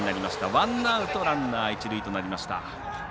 ワンアウト、ランナー、一塁となりました。